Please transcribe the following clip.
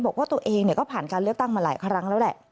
บอกว่าตัวเองก็ผ่านการเลือกตั้งมาหลายครั้งแล้วแหละ